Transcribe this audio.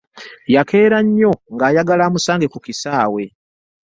Yakeera nnyo ng'ayagala amusange ku kisaawe.